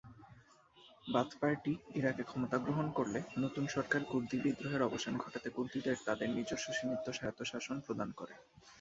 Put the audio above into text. Bath party ইরাকে ক্ষমতা গ্রহণ করলে নতুন সরকার কুর্দি বিদ্রোহের অবসান ঘটাতে কুর্দিদের তাদের নিজস্ব সীমিত স্বায়ত্তশাসন প্রদান করে।